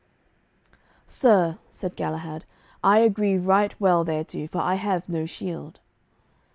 "Sir," said Galahad, "I agree right well thereto, for I have no shield."